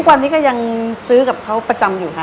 วันนี้ก็ยังซื้อกับเขาประจำอยู่ค่ะ